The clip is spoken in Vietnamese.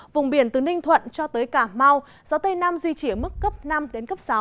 vùng biển từ ninh thuận cho tới cà mau gió tây nam duy trì ở mức cấp năm đến cấp sáu